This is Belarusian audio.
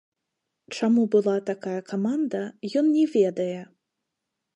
Чаму была такая каманда, ён не ведае.